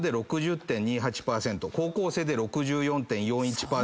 高校生で６４．４１％。